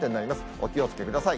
お気をつけください。